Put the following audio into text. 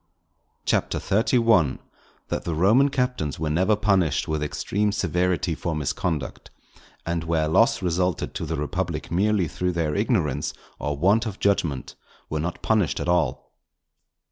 CHAPTER XXXI.—_That the Roman Captains were never punished with extreme severity for Misconduct; and where loss resulted to the Republic merely through their Ignorance or Want of Judgment, were not punished at all_.